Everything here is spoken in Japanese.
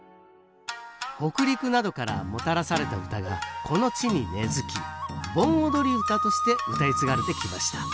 北陸などからもたらされた唄がこの地に根づき盆踊り唄としてうたい継がれてきました。